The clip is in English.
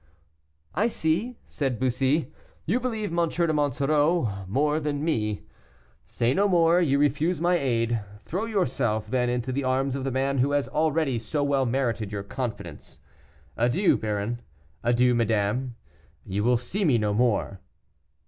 "I see," said Bussy, "you believe M. de Monsoreau more than me. Say no more; you refuse my aid; throw yourself, then, into the arms of the man who has already so well merited your confidence. Adieu, baron; adieu, madame, you will see me no more."